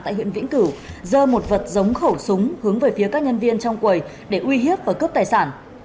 tại huyện vĩnh cửu dơ một vật giống khẩu súng hướng về phía các nhân viên trong quầy để uy hiếp và cướp tài sản